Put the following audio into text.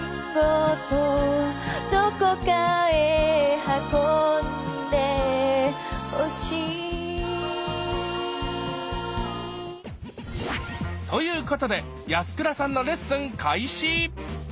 「どこかへ運んでほしい」ということで安倉さんのレッスン開始！